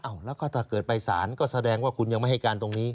ถ้าเกิดไปสารก็แสดงว่าคุณยังไม่ให้การตรงนี้